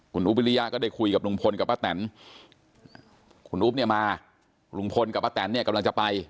คุณอุ๊บวิริยะก็ได้คุยกับลุงพลกับป้าแตนคุณอุ๊บเนี่ยมาลุงพลกับป้าแตนเนี่ยกำลังจะไป